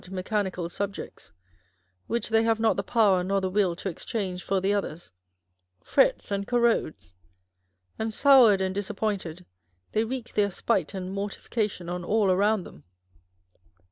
mechanical sub jects, which they have not the power nor the will to exchange for the others, frets and corrodes ; and soured and disappointed, they wreak their spite and mortification on all around them.